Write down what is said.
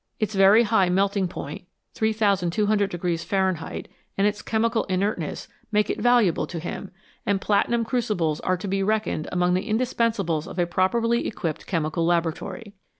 Its very high melting point 3200 Fahrenheit and its chemical inertness make it valuable to him, and platinum crucibles are to be reckoned among the indispensables of a properly equipped chemical laboratory.